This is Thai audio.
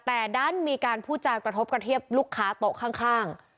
แต่ดันมีการพูดจากกระทบกระเทียบลูกค้าโต๊ะข้าง